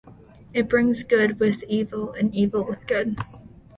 It brings good with evil, and evil with good.